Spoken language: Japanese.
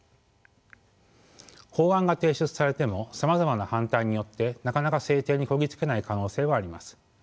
法案が提出されてもさまざまな反対によってなかなか制定にこぎ着けない可能性はあります。